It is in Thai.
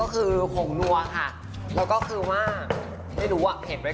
เพราะว่าปกติไม่ค่อยชอบใส่เยอะ